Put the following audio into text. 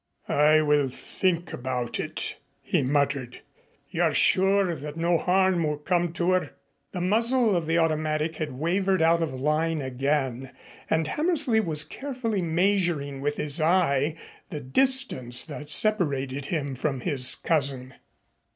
"I will think about it," he muttered. "You are sure that no harm will come to her?" The muzzle of the automatic had wavered out of line again and Hammersley was carefully measuring with his eye the distance that separated him from his cousin.